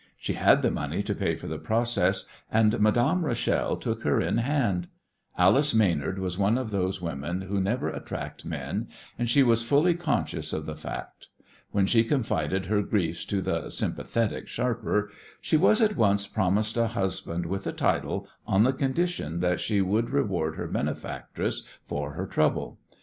She had the money to pay for the process, and Madame Rachel took her in hand. Alice Maynard was one of those women who never attract men, and she was fully conscious of the fact. When she confided her griefs to the "sympathetic" sharper she was at once promised a husband with a title on the condition that she would reward her benefactress for her trouble.